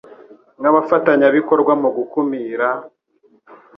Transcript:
nk abafatanyabikorwa mu gukumira